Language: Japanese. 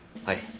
はい。